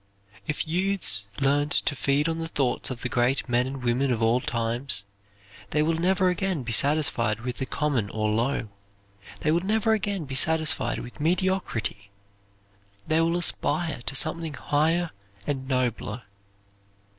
If youths learn to feed on the thoughts of the great men and women of all times, they will never again be satisfied with the common or low; they will never again be satisfied with mediocrity; they will aspire to something higher and nobler.